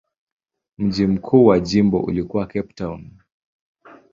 Mji mkuu wa jimbo ulikuwa Cape Town.